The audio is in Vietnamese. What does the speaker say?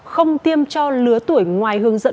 không tiêm cho lứa tuổi ngoài hướng dẫn